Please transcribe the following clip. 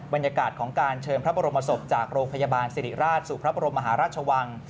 บรรยากาศของการเชิญพระบรมศพจากโรงพยาบาลสิริราชสู่พระบรมมหาราชวัง